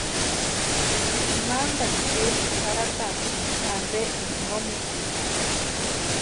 Mantani iretani xarhatasïnti ampe énka no mitinhakʼa.